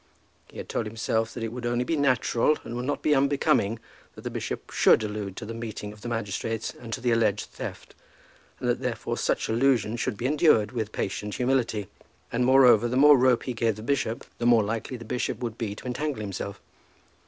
He had told himself that it would only be natural, and would not be unbecoming, that the bishop should allude to the meeting of the magistrates and to the alleged theft, and that therefore such allusion should be endured with patient humility. And, moreover, the more rope he gave the bishop, the more likely the bishop would be to entangle himself.